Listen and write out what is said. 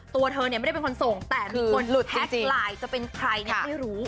ตัวเธอเนี่ยไม่ได้เป็นคนส่งแต่มีคนหลุดแท็กไลน์จะเป็นใครเนี่ยไม่รู้